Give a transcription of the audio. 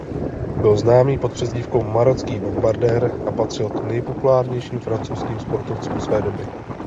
Byl známý pod přezdívkou „Marocký bombardér“ a patřil k nejpopulárnějším francouzským sportovcům své doby.